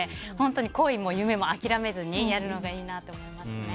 恋も夢も諦めずにやるのがいいなと思いましたね。